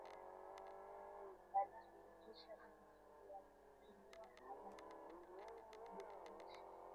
Baritumikisha bintu bia mingi, na aba ku birudishe